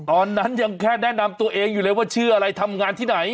ตอนนั้นยังแค่แนะนำตัวเองอยู่เลยว่าชื่ออะไรทำงานที่ไหน